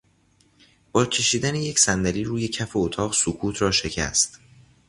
با کشیدن یک صندلی روی کف اتاق سکوت را شکست.